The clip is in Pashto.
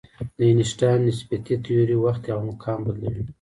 د آینشټاین نسبیتي تیوري وخت او مکان بدلوي.